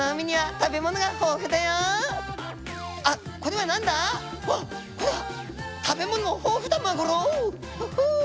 食べ物豊富だマグロ。フッフ！